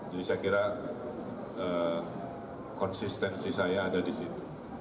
jadi saya kira konsistensi saya ada di situ